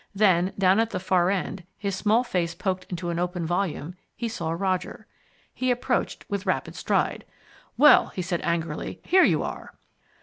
Then, down at the far end, his small face poked into an open volume, he saw Roger. He approached with a rapid stride. "Well," he said angrily, "here you are!"